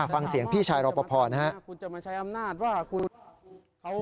ฟังเสียงพี่ชายรอปภนะฮะ